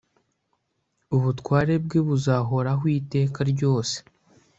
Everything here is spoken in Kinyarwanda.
ubutware bwe buzahoraho iteka ryose